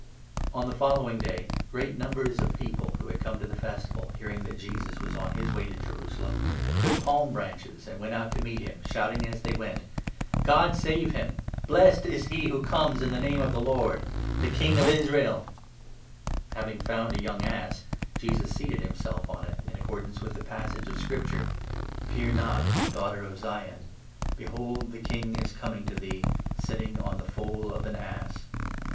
JOHN, 12. 191 On the following day great numbers of people 12 Je8U'n^8licly who had come to the Festival, hearing that Jesus Jerusalem for was on his way to Jerusalem, took palm branches, 13 the Last Time. ancj went out to meet him, shouting as they went: "' God save Him ! Blessed is He who Comes in the name of the Lord '— The King of Israel !" Having found a young ass, Jesus seated himself on it, in 14 accordance with the passage of Scripture—1 ' Fear not, Daughter of Zion ; 15 Behold, thy King is coming to thee, Sitting on the foal of an ass.'